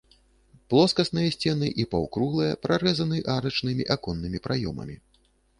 Плоскасныя сцены і паўкруглая прарэзаны арачнымі аконнымі праёмамі.